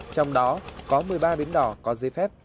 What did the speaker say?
trong đó có một mươi ba bến đỏ có giấy phép